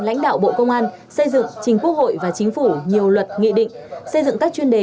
lãnh đạo bộ công an xây dựng trình quốc hội và chính phủ nhiều luật nghị định xây dựng các chuyên đề